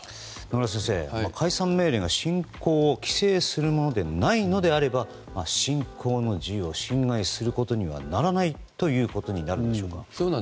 野村先生、解散命令が信仰を規制するものでないならば信仰の自由を侵害することにはならないということになるんでしょうか。